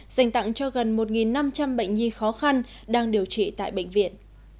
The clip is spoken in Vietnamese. dành tặng cho gần một năm trăm linh bệnh nhi khó khăn đang điều trị tại bệnh viện